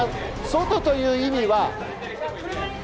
外という意味は。